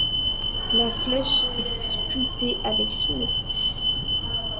La flèche est sculptée avec finesse.